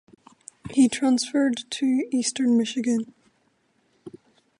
He transferred to Eastern Michigan.